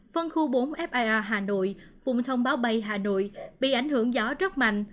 phân khu bốn fir hà nội vùng thông báo bay hà nội bị ảnh hưởng gió rất mạnh